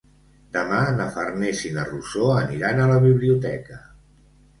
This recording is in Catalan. Demà na Farners i na Rosó aniran a la biblioteca.